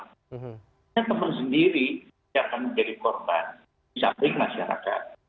karena teman sendiri yang akan menjadi korban bisa berik masyarakat